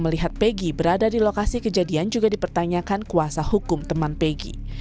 melihat peggy berada di lokasi kejadian juga dipertanyakan kuasa hukum teman peggy